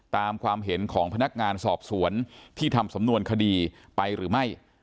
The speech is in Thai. ตามความเห็นของพนักงานสอบสวนที่ทำสำนวนคดีไปหรือไม่